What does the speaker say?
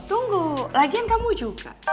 tunggu lagian kamu juga